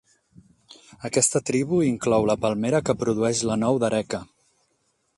Aquesta tribu inclou la palmera que produeix la nou d'areca.